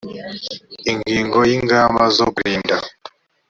ingingo ya ingamba zo kurinda